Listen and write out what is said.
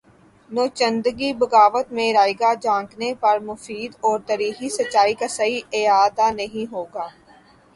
نوچندی بغاوت میں رائیگاں جھانکنے پر مفید اور تاریخی سچائی کا صحیح اعادہ نہیں ہو گا